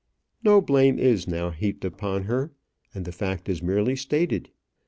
No blame is now heaped upon her, and the fact is merely stated.